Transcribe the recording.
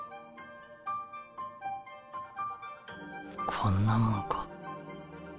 こんなもんか。